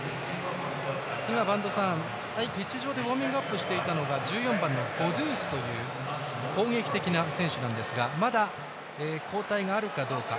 今、播戸さんピッチ上でウォーミングアップしていたのが１４番のゴドゥースという攻撃的な選手ですがまだ、交代があるかどうか。